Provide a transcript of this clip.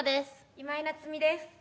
今井菜津美です。